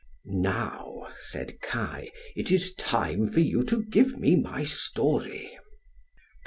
"Now" said Kai, "it is time for you to give me my story."